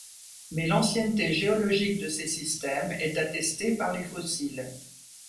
Mais l'ancienneté géologique de ces systèmes est attestée par les fossiles.